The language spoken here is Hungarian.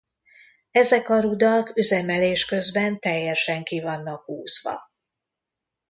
Ezek a rudak üzemelés közben teljesen ki vannak húzva.